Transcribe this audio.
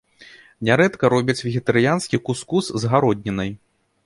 Нярэдка робяць вегетарыянскі кус-кус з гароднінай.